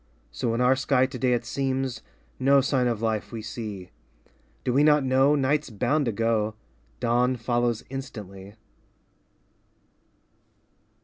So in our sky today it seems, No sign of life we see. Do we not know, Night's bound to go, Dawn follows instantly.